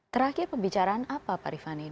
terakhir pembicaraan apa pak rifani